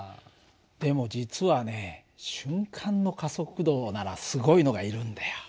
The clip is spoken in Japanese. でも実はね瞬間の加速度ならすごいのがいるんだよ。